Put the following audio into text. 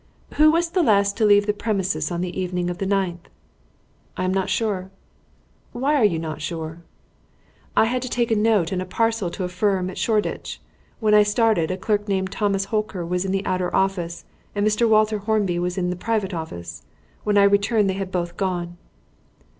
"Who was the last to leave the premises on the evening of the ninth?" "I am not sure." "Why are you not sure?" "I had to take a note and a parcel to a firm in Shoreditch. When I started, a clerk named Thomas Holker was in the outer office and Mr. Walter Hornby was in the private office. When I returned they had both gone."